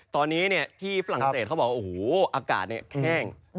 ตอนนี้ที่ฝรั่งเศสเขาบอกว่าโอ้โหอากาศแห้ง